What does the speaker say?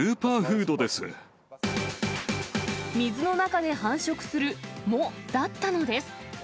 水の中で繁殖する藻だったのです。